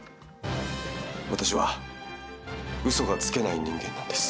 私は嘘がつけない人間なんです。